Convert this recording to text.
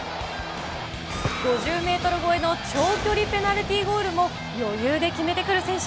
５０メートル超えの長距離ペナルティーゴールも余裕で決めてくる選手。